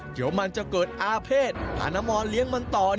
เดี๋ยวมันจะเกิดอาเภษพานมรเลี้ยงมันต่อ